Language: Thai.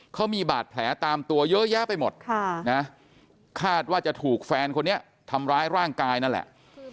เขามีบาดแผลตามตัวเยอะแยะไปหมดคาดว่าจะถูกแฟนคนนี้ทำร้ายร่างกายนั่นแหละ